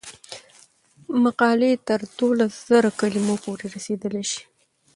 مقالې تر دولس زره کلمو پورې رسیدلی شي.